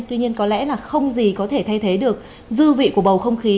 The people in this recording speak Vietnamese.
tuy nhiên có lẽ là không gì có thể thay thế được dư vị của bầu không khí